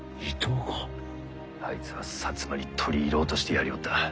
あいつは摩に取り入ろうとしてやりおった。